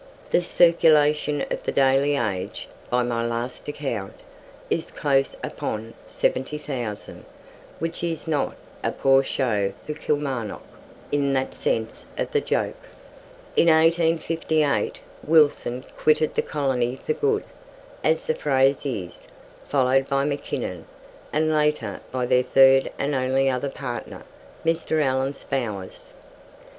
The circulation of the daily "Age", by my last account, is close upon 70,000, which is not "a poor show for Kilmarnock," in that sense of the joke. In 1858, Wilson quitted the colony "for good," as the phrase is, followed by Mackinnon, and later on by their third and only other partner, Mr. Allan Spowers.